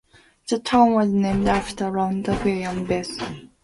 The town was named after landowner William Vance.